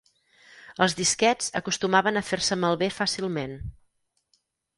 Els disquets acostumaven a fer-se malbé fàcilment.